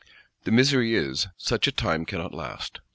The misery is, such a time cannot last!